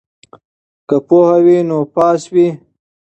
که پوهه وي نو پاس وي.